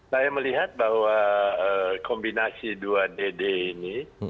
saya melihat bahwa kombinasi dua dd ini